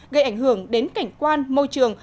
gây ảnh hưởng đến cảnh quan môi trường